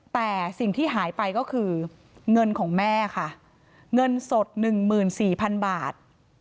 แต่สิ่งที่หายไปก็คือเงินของแม่ค่ะเงินสด๑๔๐๐๐บาท